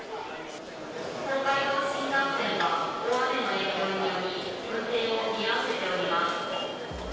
東海道新幹線は、大雨の影響により、運転を見合わせております。